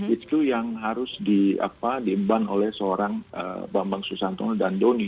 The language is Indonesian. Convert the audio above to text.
itu yang harus diemban oleh seorang bambang susantono dan doni